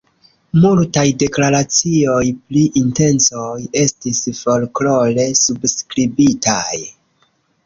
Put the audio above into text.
Multaj deklaracioj pri intencoj estis folklore subskribitaj.